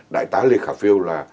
đại tá lê khả phiêu là